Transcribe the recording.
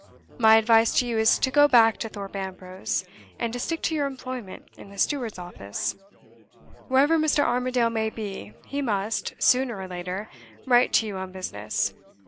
My advice to you is to go back to Thorpe Ambrose, and to stick to your employment in the steward's office. Wherever Mr. Armadale may be, he must, sooner or later, write to you on business.